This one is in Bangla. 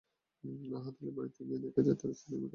আহাদ আলীর বাড়িতে গিয়ে দেখা যায়, তাঁর স্ত্রী নির্বিকার বসে আছেন।